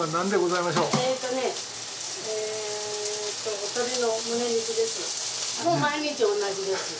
もう毎日同じです。